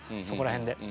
そこら辺で。